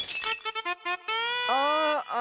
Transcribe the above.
ああ。